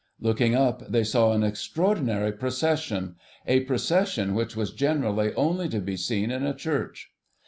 Looking up, they saw an extraordinary procession, a procession which was generally only to be seen in a church.